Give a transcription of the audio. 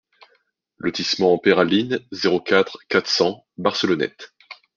Lotissement Peyralines, zéro quatre, quatre cents Barcelonnette